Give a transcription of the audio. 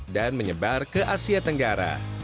dan menyebar ke asia tenggara